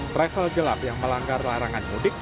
travel gelap yang melanggar larangan mudik